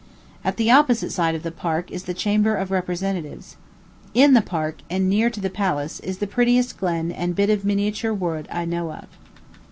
At the opposite side of the Park is the Chamber of Representatives. In the Park, and near to the Palace, is the prettiest glen and bit of miniature wood I know of.